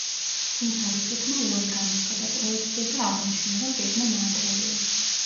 თუმცა რუსეთმა უარი განაცხადა პროექტზე და აღნიშნა, რომ გეგმა ნაადრევია.